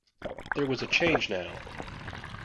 There was a change now.